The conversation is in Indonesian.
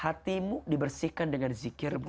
hatimu dibersihkan dengan zikirmu